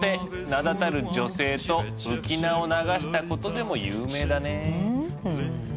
名だたる女性と浮き名を流したことでも有名だね。